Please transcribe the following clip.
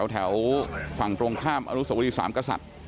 แถวฝั่งตรงข้ามอนุสวรีสามกษัตริย์